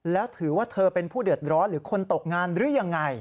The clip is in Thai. แล้วถือว่าเธอเป็นผู้เดือดร้อนหรือคนตกงานหรือยังไง